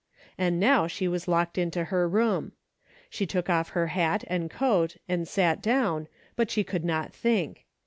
And now she was locked into her room. She took off her hat and coat and sat down, but she could not think.